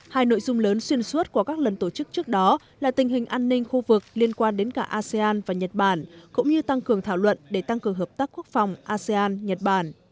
hai nội dung lớn xuyên suốt của các lần tổ chức trước đó là tình hình an ninh khu vực liên quan đến cả asean và nhật bản cũng như tăng cường thảo luận để tăng cường hợp tác quốc phòng asean nhật bản